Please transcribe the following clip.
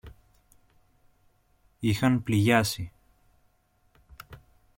είχαν πληγιάσει.